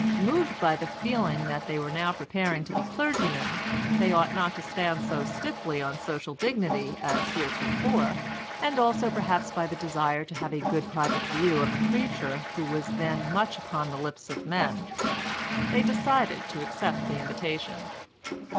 Moved by the feeling that as they were now preparing to be clergymen they ought not to stand so stiffly on social dignity as heretofore, and also perhaps by the desire to have a good private view of a preacher who was then much upon the lips of men, they decided to accept the invitation.